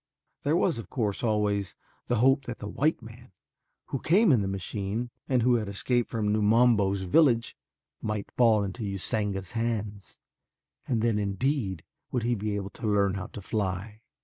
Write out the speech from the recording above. There was, of course, always the hope that the white man who came in the machine and who had escaped from Numabo's village might fall into Usanga's hands and then indeed would he be able to learn how to fly.